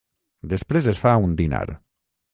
Després es fa un dinar.